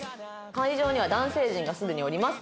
会場には男性陣がすでにおります。